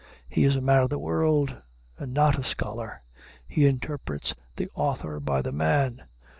He is a man of the world, and not a scholar. He interprets the author by the man.